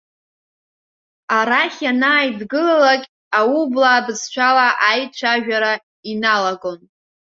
Арахь ианааидгылалак, аублаа бызшәала аицәажәара иналагон.